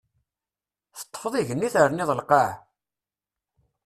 Teṭṭfeḍ igenni terniḍ lqaɛa!